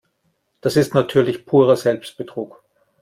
Das ist natürlich purer Selbstbetrug.